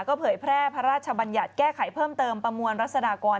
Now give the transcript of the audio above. เผยแพร่พระราชบัญญัติแก้ไขเพิ่มเติมประมวลรัศดากร